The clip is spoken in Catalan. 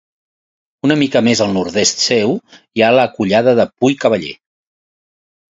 Una mica més al nord-est seu hi ha la Collada de Pui Cavaller.